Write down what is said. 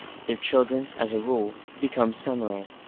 Their children, as a rule, become samurai.